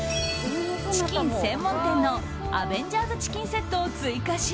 チキン専門店のアベンジャーズチキンセットを追加し。